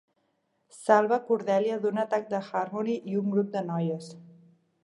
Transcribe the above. Salva a Cordelia d'un atac de Harmony i un grup de noies.